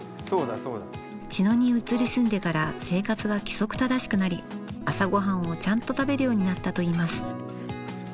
茅野に移り住んでから生活が規則正しくなり朝ごはんをちゃんと食べるようになったといいます。